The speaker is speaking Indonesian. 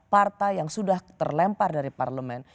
partai yang sudah terlempar dari parlemen